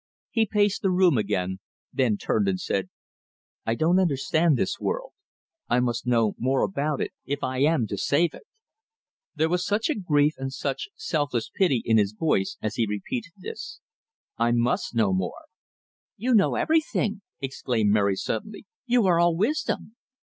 He paced the room again, then turned and said: "I don't understand this world. I must know more about it, if I am to save it!" There was such grief, such selfless pity in his voice as he repeated this: "I must know more!" "You know everything!" exclaimed Mary, suddenly. "You are all wisdom!"